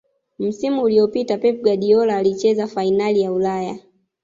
msimu uliopita pep guardiola alicheza fainali ya Ulaya